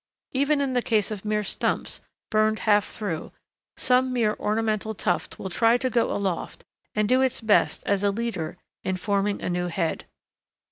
Even in the case of mere stumps, burned half through, some mere ornamental tuft will try to go aloft and do its best as a leader in forming a new head.